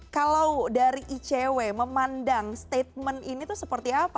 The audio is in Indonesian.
kalau dari icw memandang statement ini tuh seperti apa